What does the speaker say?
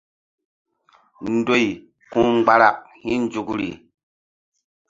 Ndoy ku̧ mgbarak hi̧ nzukri.